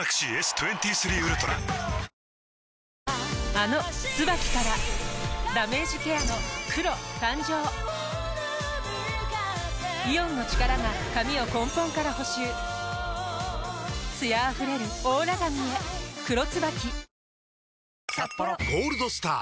あの「ＴＳＵＢＡＫＩ」からダメージケアの黒誕生イオンの力が髪を根本から補修艶あふれるオーラ髪へ「黒ＴＳＵＢＡＫＩ」「ゴールドスター」！